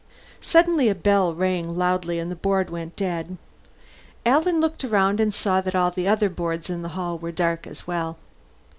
Suddenly a bell rang loudly, and the board went dead. Alan looked around and saw that all the other boards in the hall were dark as well.